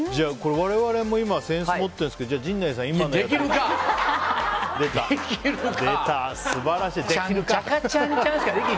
我々も扇子を持っているんですが陣内さん、今のを。出た、素晴らしい。